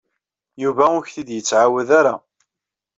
Yuba ur ak-t-id-yettɛawad ara.